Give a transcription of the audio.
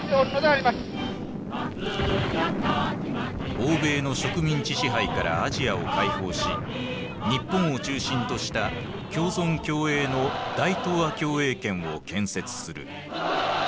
欧米の植民地支配からアジアを解放し日本を中心とした共存共栄の大東亜共栄圏を建設する。